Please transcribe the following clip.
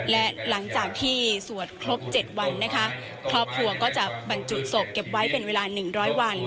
และหลังจากที่สวดครบ๗วันนะคะครอบครัวก็จะบรรจุศพเก็บไว้เป็นเวลา๑๐๐วัน